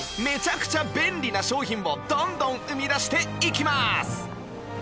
めちゃくちゃ便利な商品をどんどん生み出していきます